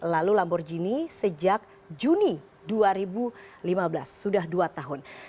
lalu lamborghini sejak juni dua ribu lima belas sudah dua tahun